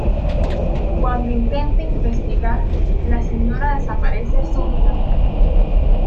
Cuando intenta investigar, la señora desaparece súbitamente.